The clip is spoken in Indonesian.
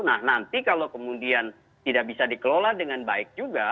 nah nanti kalau kemudian tidak bisa dikelola dengan baik juga